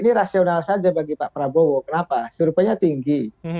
ini rasional saja bagi pak prabowo kenapa surveinya tinggi